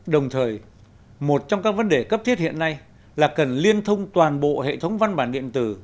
đồng thời một trong các vấn đề cấp thiết hiện nay là cần liên thông toàn bộ hệ thống văn bản điện tử